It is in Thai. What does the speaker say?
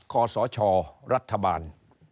คศรัฐบาล